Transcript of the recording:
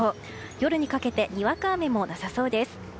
夜にかけてにわか雨もなさそうです。